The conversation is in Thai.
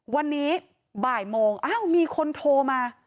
วันนี้บ่ายโมงอ้าวมีคนโทรมา